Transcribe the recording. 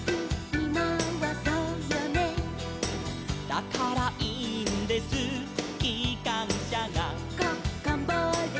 「だからいいんですきかんしゃが」